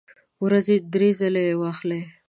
ورځې درې ځله یی واخلئ